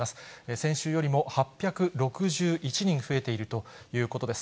先週よりも８６１人増えているということです。